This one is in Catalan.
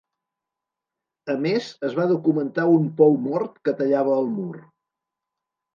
A més es va documentar un pou mort que tallava el mur.